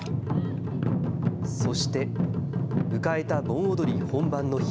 そして、迎えた盆踊り本番の日。